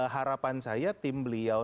harapan saya tim beliau